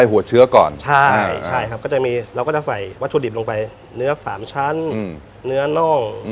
ก็คือต้มกับซุปไปเลย๓ชั่วโมง